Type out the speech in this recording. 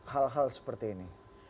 hal hal seperti ini